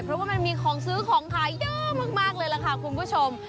เพราะว่ามันมีของซื้อของขายเยอะมากเลยล่ะค่ะคุณผู้ชม